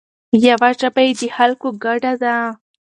یوه ژبه یې د خلکو ګډه ده.